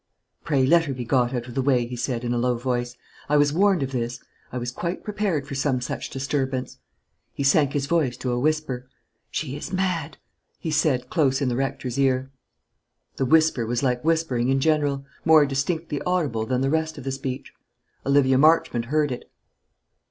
"Pray let her be got out of the way," he said, in a low voice. "I was warned of this. I was quite prepared for some such disturbance." He sank his voice to a whisper. "She is mad!" he said, close in the rector's ear. The whisper was like whispering in general, more distinctly audible than the rest of the speech. Olivia Marchmont heard it.